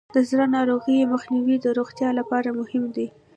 د زړه ناروغیو مخنیوی د روغتیا لپاره مهم دی.